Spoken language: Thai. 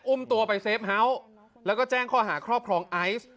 อุ้มตัวไปเซฟเฮาส์แล้วก็แจ้งข้อหาครอบครองไอซ์